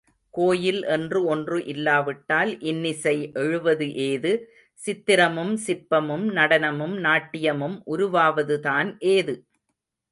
கோயில் என்று ஒன்று இல்லாவிட்டால் இன்னிசை எழுவது ஏது, சித்திரமும் சிற்பமும், நடனமும், நாட்டியமும் உருவாவதுதான் ஏது?